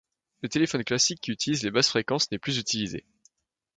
Le téléphone classique qui utilise les basses fréquences n'est plus utilisé.